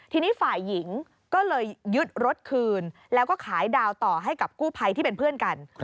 ทีนี้ฝ่ายหญิงก็เลยยึดรถคืนแล้วก็ขายดาวต่อให้กับกู้ภัยที่เป็นเพื่อนกัน